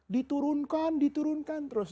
diturunkan diturunkan terus